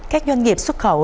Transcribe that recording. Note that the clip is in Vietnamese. các doanh nghiệp xuất khẩu